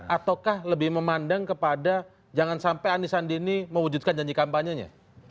ataukah lebih memandang kepada jangan sampai ani sandini mewujudkan janji kampanye nya